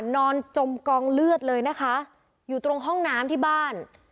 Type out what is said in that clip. นอนจมกองเลือดเลยนะคะอยู่ตรงห้องน้ำที่บ้าน